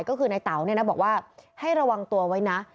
ก็คือนายเต๋าบอกว่าให้ระวังตัวไว้นะ